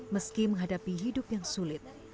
meski menghadapi hidup yang sulit